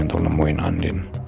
untuk nemuin andin